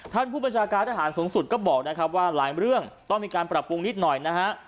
ท่านผู้บัญชาการทหารสูงสุดก็บอกนะครับว่าหลายเรื่องต้องมีการปรับปรุงนิดหน่อยนะฮะ